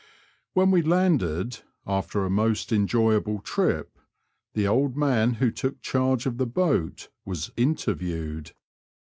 When we landed, after a most enjoyable trip, the old man who took charge of the boat was interviewed."